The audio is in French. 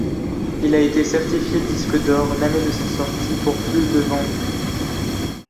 Il a été certifié disque d'or l'année de sa sortie pour plus de vendus.